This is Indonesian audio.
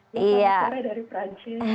selamat malam dari perancis